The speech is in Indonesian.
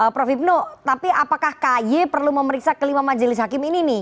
prof ibnu tapi apakah kay perlu memeriksa kelima majelis hakim ini nih